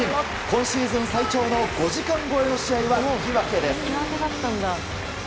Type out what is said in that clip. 今シーズン最長の５時間超えの試合は引き分けです。